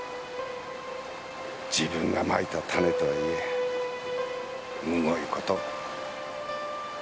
自分がまいた種とはいえむごい事を。